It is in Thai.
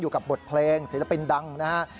กับบทเพลงศิลปินดังนะฮะ